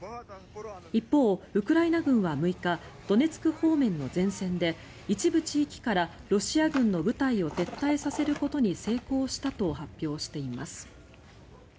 一方、ウクライナ軍は６日ドネツク方面の前線で一部地域からロシア軍の部隊を撤退させることに成功したと発表しています。